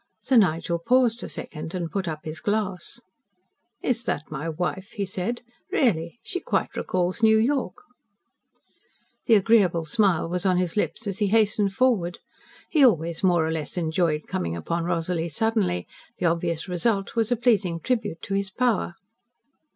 Sir Nigel paused a second and put up his glass. "Is that my wife?" he said. "Really! She quite recalls New York." The agreeable smile was on his lips as he hastened forward. He always more or less enjoyed coming upon Rosalie suddenly. The obvious result was a pleasing tribute to his power.